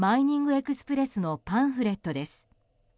エクスプレスのパンフレットです。